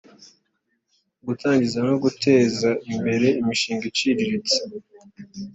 gutangiza no guteza imbere imishinga iciriritse